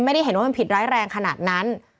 ไม่ได้เห็นว่ามันผิดร้ายแรงขนาดนั้น